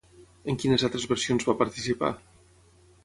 En quines altres versions va participar?